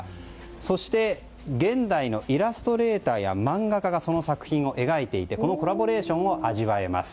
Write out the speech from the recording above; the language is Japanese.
そして現代のイラストレーターや漫画家がその作品を描いていてこのコラボレーションを味わえます。